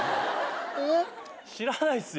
知らないっすよ。